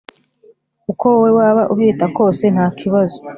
uko wowe waba ubyita kose ntakibazo